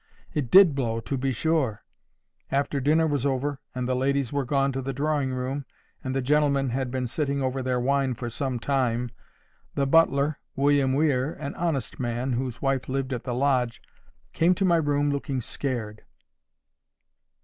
It did blow, to be sure! After dinner was over and the ladies were gone to the drawing room, and the gentlemen had been sitting over their wine for some time, the butler, William Weir—an honest man, whose wife lived at the lodge—came to my room looking scared.